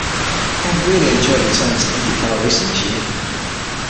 I have really enjoyed returning to IndyCar racing this year.